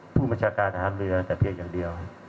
ผู้บัญชาการทหารเรือแต่เพียงอย่างเดียว